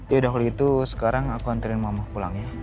yaudah kalau gitu sekarang aku anterin mama pulang ya